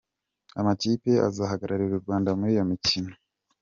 Amakipe azahagararira u Rwanda muri iyo mikino :.